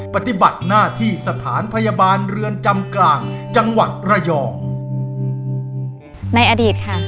ปฏิบัติหน้าที่สถานพยาบาลเรือนจำกลางจังหวัดระยองในอดีตค่ะ